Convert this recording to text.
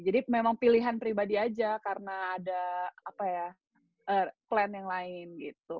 jadi memang pilihan pribadi aja karena ada apa ya plan yang lain gitu